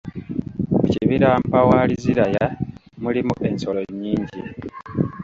Mu kibira Mpaawaliziraya mulimu ensolo nnyingi.